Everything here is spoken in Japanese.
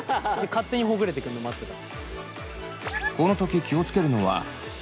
勝手にほぐれてくるの待ってた。